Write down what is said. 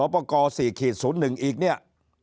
ยึดคืนสปก๔๐๑อีกเนี่ย